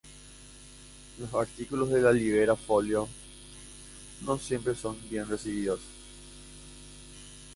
Los artículos de Libera Folio no siempre son bien recibidos.